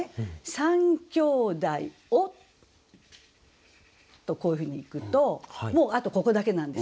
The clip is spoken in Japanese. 「三兄弟を」とこういうふうにいくともうあとここだけなんですね。